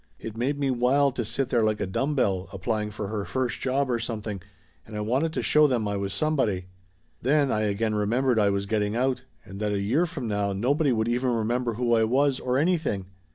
It made me wild to sit there like a dumb bell applying for her first job or something, and I wanted to show them I was some body. Then I again remembered I was getting out, and that a year from now nobody would even remember who I was, or anything